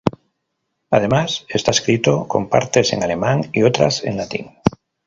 Además, está escrito con partes en alemán y otras en latín.